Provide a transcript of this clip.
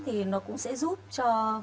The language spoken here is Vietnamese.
thì nó cũng sẽ giúp cho